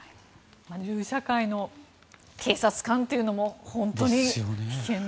銃社会の警察官というのも本当に危険な。